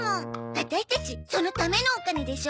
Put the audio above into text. ワタシたちそのためのお金でしょ？